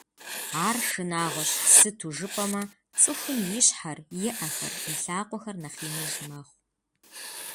Ар шынагъуэщ, сыту жыпӀэмэ, цӀыхум и щхьэр, и Ӏэхэр, и лъакъуэхэр нэхъ иныж мэхъу.